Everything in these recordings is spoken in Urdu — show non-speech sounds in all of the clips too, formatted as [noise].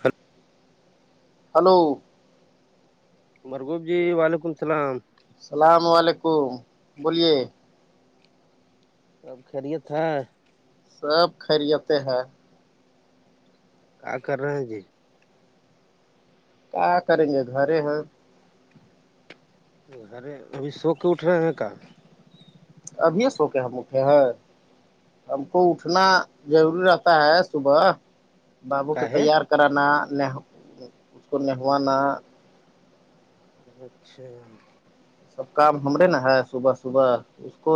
ہ ہلو مرغوب جی وعلیکم السلام السلام علیکم بولیے اب خیریت ہے سب خریتے ہیں کیا کر رہے ہیں جی کیا کریں گے گھرے ہیں ارے ابھی سو کے اٹھ رہے ہیں کیا ابھی یہ سو کے ہم اٹھے ہیں ہم کو اٹھنا ضروری رہتا ہے صبح بابو کے کا ہے تیار کرانا اس کو نہوانا اچھا سب کام ہمارے نا ہے صبح صبح اس کو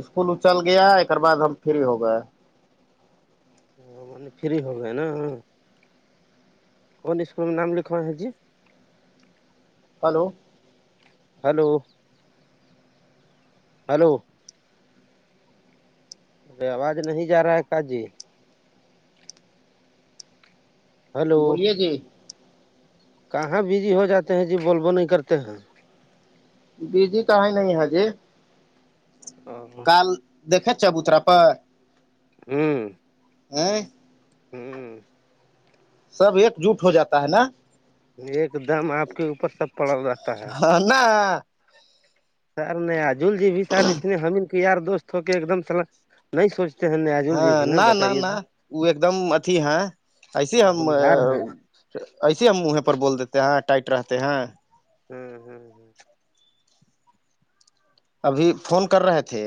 اسکول اچل گیا ایکر بع ہم فری ہو گئے افری ہو گائے نا کون اسکول میں نام لکھو ہے جی ہلو ہلو ہلو ارے آواز نہیں جا رہا ہے کا جی ہلو بولیے جی کہاں بزی ہو جاتے ہیں جی بول بو نہیں کرتے ہیں بجی کہاں نہیں حجی ا کال دیکے ابوترا پر ہوں ا ہوں سب ایک جٹ ہو جاتا ہے نا ایک دم آپ کے اوپر سب پڑا رہتا ہے نہ سر نہیں عجول جی بھی سر اس نے ہم ان کے یار دوست ہو کے ایک دم س ہاں نہ نہ نہ وہ ایک دم اتیھی ہے ایسے تو ہم بھومہار ہیں ایسے ہم مہیں پر بول دیتے ہیں ٹائٹ رہتے ہیں ہوں ہوں ہ ابھی فون کر رہے تھے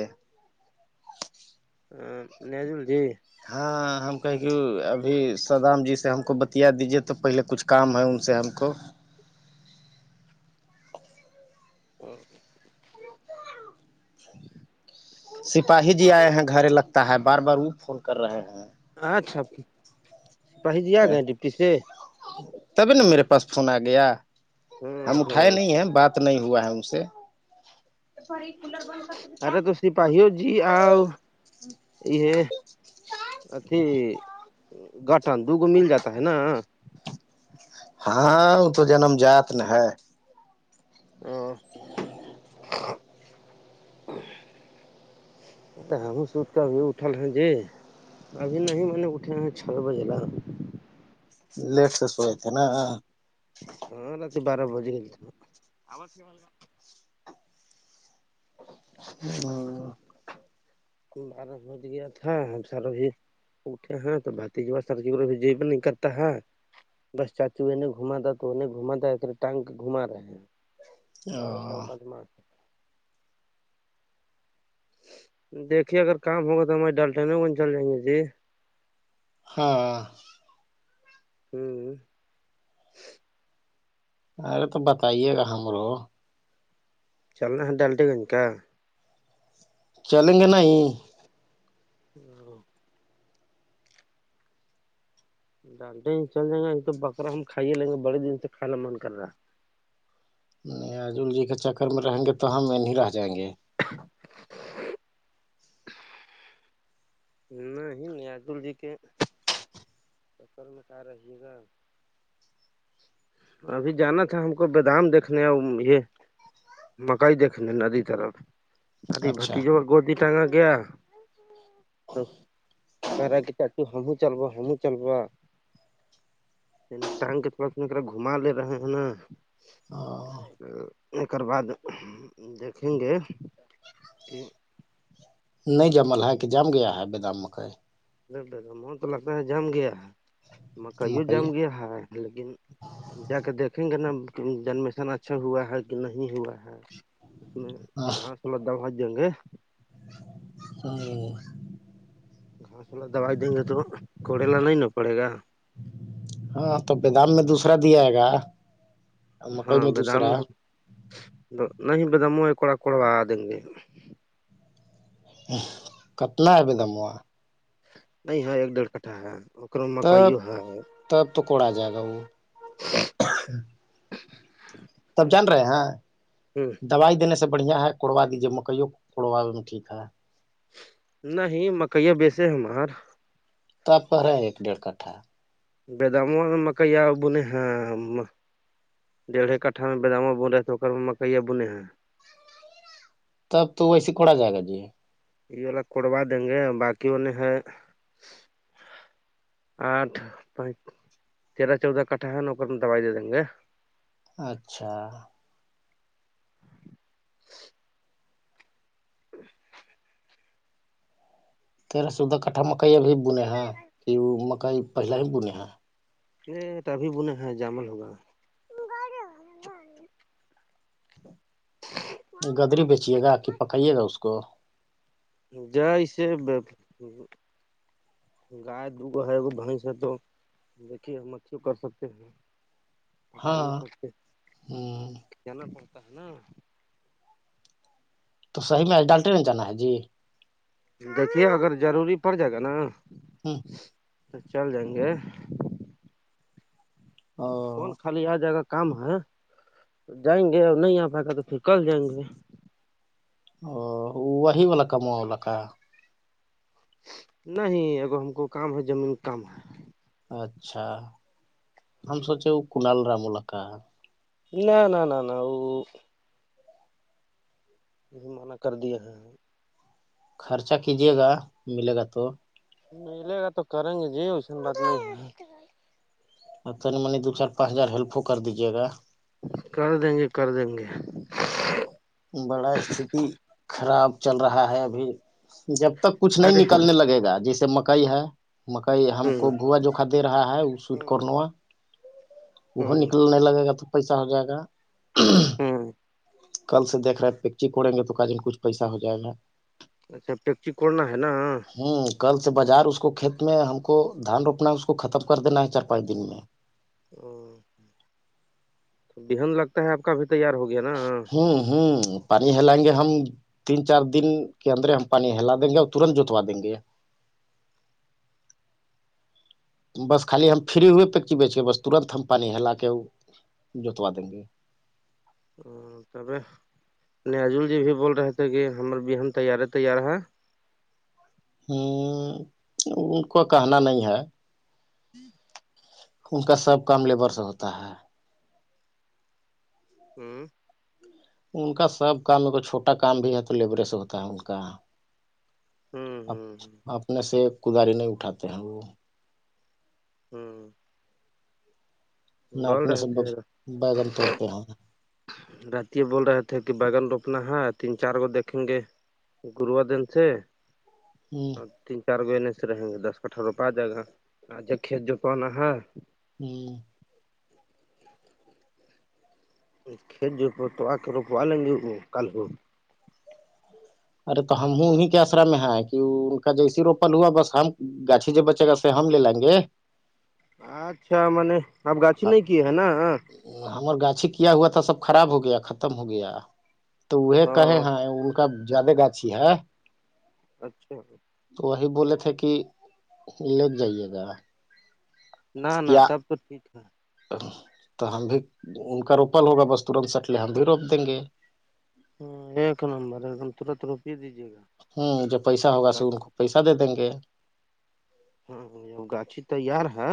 ہ نازم جی ہاں ہم کہ کہ ابھی سدام جی سے ہم کو بتیا دیجیے تو پہلے کچھ کام ہے ان سے ہم کو ہ سپاہی جی آئے ہیں گھرے لگتا ہے بار بار وہ فون کر رہے ہیں اچھا سپاہی جی آ گئے ڈپٹی سے تبھی نا میرے پاس فون آ گیا ہوں ہم اٹھائے ہوں نہیں ہ ہیں بات نہیں ہوا ہے ان سے ارے تو سپاہی ہو جی آؤ یہ اھی گٹھن دوگو مل جاتا ہے نا ہاں وہ تو جنم جات ن ہے او تو ہم سوت کر ابھی اٹھل ہیں جی اب نہیں م نے اٹے آ چال بجےلا لیٹ سے سو تھ نا ہاں رات بارہ بجے ہیل تھ ہاں بارہ بج گیا تھا ہم سارا بھی اٹھے ہ تو بات ج سری جی بھی نہیں کرتا ہے بس چاچی نے گھما تھا تو انیں گھما تھا ایکے ٹانگ کے گھما رہے ہیں بارہثر او بچ ما دیکھیے اگر کام ہوگا تو ہمارے ڈالٹین کون چل جائیں گے جی ہاں ہوں ارے تو بتائیے گا ہمرو چلنا ہے ڈالٹیے گنج کا چلیں گے نہیں ا ڈانٹے چل جیں گا ایک تو بکرا ہم کھائیے لیں گے بڑے دن سے کھانا من کر رہا ہے نہیں عجل جی کے چکر میں رہیں گے تو ہم نہیں رہ جائیں گے نہیں نیادل جی کے سفر میں کیا رہی گا ہ ابھی جانا تھا ہم کو بادام دیکھنے یہ مکائی دیکھنے ادھی طرف ارھی اچھا بھتیجب گودی ٹانگا گیا کارا گتا تو ہمو چلوا ہمو چلوا ٹانگ کے پاس میں گھما لے رہے ہیں نا ایکر بع دیکھیں گے کہ نہیں جمل ہے کہ جام گیا ہے بیدام مکئی نہیں با من تو لگتا ہے جام گیا ہے مکائیوں مکئی جام گیا ہے لیکن جا کے دیکھیں گے نا جنمیشن اچھا ہوا ہے کہ نہیں ہوا ہے اس میں گھاس والا دام ہج جائیں گے ہ ہاںسولہ دوائی دیں گے تو کوڑیلا نہیں پڑے گا ہاں تو بیدام میں دوسرا دیاائے گا مکئی میں دوسرا تو نہیں مو کوڑا کوڑوا دیں گے کتنا ایب دما نہیں ہے ایک ڈیڑھ کٹھا ہے مکئی تب ہے تب تو کوڑ آ جائے گا وہ تب جان رہے ہ ہیں دوائی دینے سے بڑھیاں ہے کوڑوا دیجیے مکئی کوڑواے میں ٹھیک ہے نہیں مکئییا بیسے ہمار تب پر ہے ایک ڈیڑھ کٹھا بیدام مکئی آ بول ہاں ڈیڑھے کٹھا بامو بن رہا ہے تو ار میں مکئیے بنے ہے تب تو ویسے کڑا جائے گا جی یہ والا کروا دیں گے باقیوںنے ہے آٹھ پانچ تیرہ چودہ کٹھا ہے نا اپر میں دوائی دے دیں گے اچھا تیرا سودہ کٹھا مکئی ابھی بنے ہیں کہ وہ مکئی پہلے ہی بنے ہیں یہ ابھی بولے ہیں جامع ہوگا گدری بیچیے گا کہ پکائیے گا اس کو اسے گائے دوگو ہے کو بیس ہے تو دیکھیے ہم اھیوں کر سکتے ہیں پکائی ہاں سکتے جانا پڑتا ہے نا تو صحی میں ڈال ٹرین جانا ہے جی دیکھیے اگر ضروری پڑ جائے گا نا ہوں چل جائیں گے فون او خالی آ جائے گا کام ہے جائیں گے اور نہیں آ پائے گا تو پھر کل جائیں گے وہ وہی واللا کام واللا کاا نہیں اگر ہم کو کام ہے زمین کا کام ہے اچھا ہم سوچے وہ کنال رامولا کا ہے نہ نہ نہ نہ وہ یہ منع کر دیاے ہیں خرچا کیجیے گا ملے گا تو ملے گا تو کریں گے جی وسن بات نہیں ہو نہیں منی دو چار پانچ ہزار ہیلپ ہو کر دیجیے گا کر دیں گے کر دیں گے بڑا استتی خراب چل رہا ہے ابھی جب تک کچھ نہیں ارے نکلنے لگے گا جیسے مکئی ہے مکئی ہم کو ہوں بوا جو دے رہا ہے وہ سٹ کنا وہ ہوں نکلنے لگے گا تو پیسہ ہو جائے گا ہوں کل سے دیک رہے پکچک اڑیں گے تو کا دن کچھ پیسا ہو جائے گا اچھا پیکچی کوورنا ہے نا ہوں کل سے بازار اس کو کھیت میں ہم کو دھان روپنا ہے اس کو ختم کر دینا ہے چار پانچ دن میں او تو بحند لگتا ہے آپ کا ابھی تیار ہو گیا نا ہوں ہوں پانی ہلائیں گے ہم تین چار دن کے اندرے ہم پانی ہلا دیں گے اور ترنت جوتوا دیں گے بس خالی ہم فری ہوئے پیکچی بیچ کے بس ترنت ہم پانی ہلا کے جوتوا دیں گے ا تب نجول جی بھی بول رہے تھے کہ ہمر بہن تیارے تیار ہے ہ ان کو کہنا نہیں ہے ان کا سب کام لیبر سے ہوتا ہے ہوں ان کا سب کام ا چھوٹا کام بھی ہے تو لیبریس ہوتا ہے ان کا ہوں ہوں اپنے سے کداری نہیں اٹھاتے ہیں وہ ہوں نا بول اپنے رہے سے تھے بیگن توڑتے ہیں راتے بول رہے تھے کہ بیگن روپنا ہے تین چار گو دیکھیں گے گروار دن سے ہوں اور تین چار گو انے سے رہیں گے دس کٹھارہ روپہ آ جائے گا ج کھیت جوپانا ہے ہوں کھیت جوپ تو آ کر روپو لیں گے وہ کل ہو ارے تو ہم ہی انیں کے آسرا میں ہے کہ ان کا جیسی روپل ہوا بس ہم گاچھی ج بچے گا ہم لے لائیں گے اچھا میں نے اپ گاچھی نہیں کی ہے نا ہمر گاچھی کیا ہوا تھا سب خراب ہو گیا ختم ہو گیا تو وہ کہے ہ ان کا زیادہ گاچھی ہے اچھا تو وہی بولے تھے کہ لٹ جائیے گا نہ نہ کیا تب تو ٹھیک ہے تو ہم بھی ان کا روپل ہوگا بستورند سٹلے ہم بھی روپ دیں گے ہ ایک نمبر ایک دم ترت روپی دیجیے گا ہوں جو پیسہ ہوگا س ان کو پیسہ دے دیں گے ہاں گاچھی تیار ہے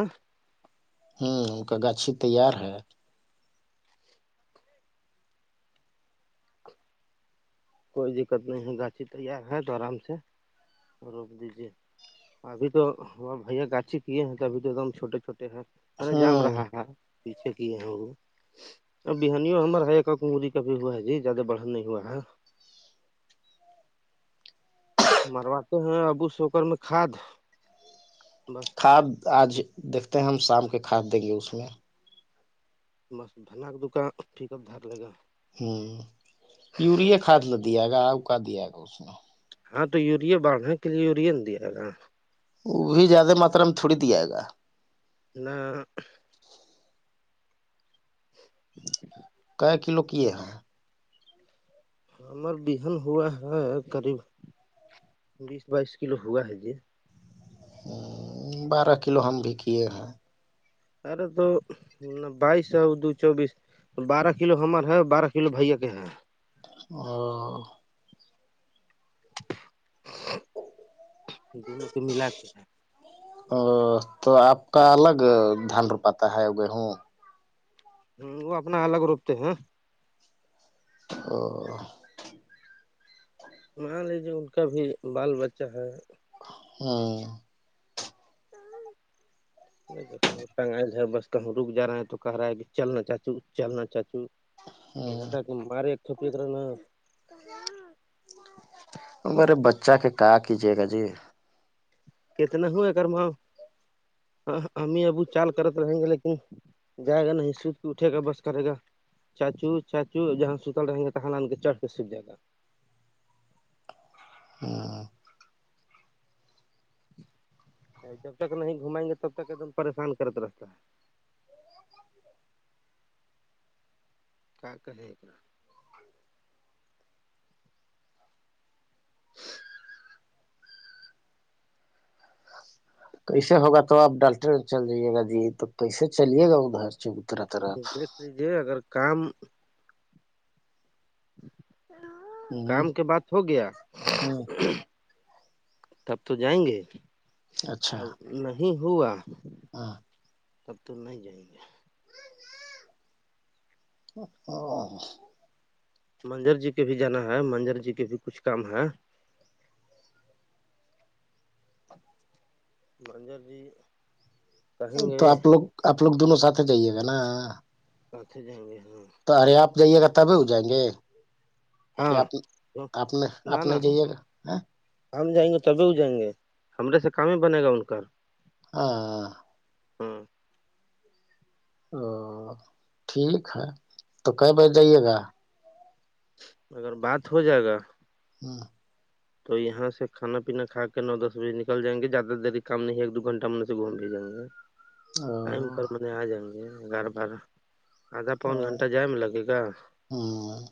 ہوں ان کا گاچھی تیار ہے کوئی دقت نہیں ہے گاچھی تیار ہے تو آرام سے روپ دیجیے ابھی تو بھیا گاچھی کیے ہیں تو ابھی تو ایک دم چھوٹے چھوٹے ہیںے جام ہوں رہا ہے پیھے کی ہ ا بحانیوں ہمار ہ کری کا بھی ہوا ہے جی زیادہ بڑھن نہیں ہوا ہے مرواتے ہیں ابو شوکر میں کھاد بس کھاد آج دیکھتے ہیں ہم شام کے کھاد دیں گے اس میں مس دھنا کا دکان پک اپ دار لگا ہوں یوریا کھاد ل دیا گا آؤ کا دیا گا اس نے ہاں تو یوریا بڑھنے کے لیے یوریا نہیں دیا ج گا وہ بھی زیادہ ماترا میں تھوڑی دیا جائے گا نہ [inaudible] ک کلو کیے ہیں ہمار بہن ہوا ہے قریب بیس بائیس کلو ہوا ہے ج بارہ کلو ہم بھی کیے ہیں ارے تو بائیس سو دو چوبیس بارہ کلو ہمار ہے بارہ کلو بھ کے ہے ا دونوں پہ ملا کے ہیں ا تو آپ کا الگ دھان رپاتا ہے گیہوں ہ وہ اپنا الگ روپتے ہیں او مان لیجیے ان کا بھی بال بچہ ہے ہاں نگل ہے بس کہ رک جا رہا ہے تو کہہ رہا ہے کہ چلنا چاچو چلنا چاچو وہ ہ کہ تھا کہ مارے ایک چھپت رہا ن میرے بچہ کے کہ کیجیے گا جی کتنا ہ ہے کرماؤ امی ابو چال کرت رہیں گے لیکن جائے گا نہیں سوچ کے اٹھے گا بس کرے گا چاچو چاچو ج سوتالن ل ان کے چڑھ کے سوجا د تھا ہوں جب تک نہیں گھمائیں گے تب تک ایک دم پریشان کرتا رستہ ہے کیا کہ کیسے ہوگا تو آپ ڈالٹر چل جائیے گا جی تو کیسے چلیے گا ادھر چ طرح طرح جیے اگر کام ہ کام کے بعد ہو گیا ہ تب تو جائیں گے اچھا اب نہیں ہوا ہاں کب تو نہیں جائیں گے او منجر جی کے بھی جانا ہے منجر جی کے بھی کچھ کام ہے منجر جی کہیں تو گے آپ لوگ آپ لوگ دونوں ساتھ جائیے گا نا کھے جائیں گے ہاں تو ارے آپ جائیے گا تبھی ہو جائیں گے کہ آ ہاں اپنے نہ اپنے نہ جیے گا ہ ہم جائیں گے تبھی ہو جائیں گے ہمرے سے کام ہی بنے گا ان کا ہاں ہاں او ٹھیک ہے تو ک بجے جائیے گا اگر بات ہو جائے گا ہاں تو یہاں سے کانا پینا کھا کے نو دس بجے نکل جائیں گے زیادہ دیر کام نہیں ہے ایک دو گھنٹہ میں گھوم بھی جائیں گے ٹائم پر م آ جائیں گے گارہ بارہ آدھا پونچ گھنٹہ جائ میں لگے گا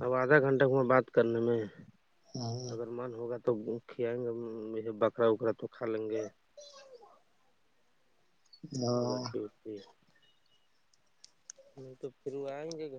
اب آدھا گھنٹہ ہوا بات کرنے میں ہ اگر من ہوگا تو کھیایں گے بکرا وکرا تو کھا لیں گے ہ گٹی اتی نہیں تو پھر وہ آئیں گے گھر